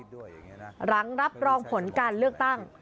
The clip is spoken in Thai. อย่างเงี้ยน่ะหลังรับรองผลการเลือกตั้ง